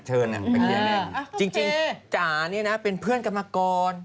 จริงจ๋านี่นะเป็นเพื่อนกันมาก่อน